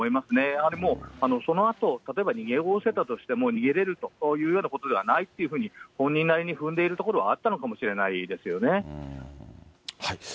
やはりもう、そのあと、例えば逃げおおせたとしても、逃げれるというようなことではないというふうに、本人なりに踏んでいるところはあったのかもしれないですよね。